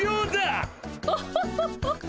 オホホホホ